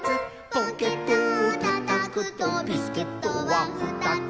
「ポケットをたたくとビスケットはふたつ」